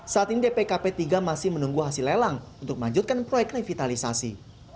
saat ini dpkp tiga masih menunggu hasil lelang untuk melanjutkan proyek revitalisasi